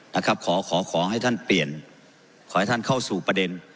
นะครับขอขอขอให้ท่านเปลี่ยนขอให้ท่านเข้าสู่ประเด็น